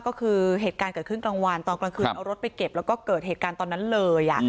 ก็คือเหตุการณ์เกิดขึ้นกลางวันตอนกลางคืนเอารถไปเก็บแล้วก็เกิดเหตุการณ์ตอนนั้นเลย